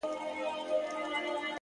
زړه مي دي خاوري سي ډبره دى زړگى نـه دی!